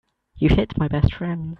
You hit my best friend.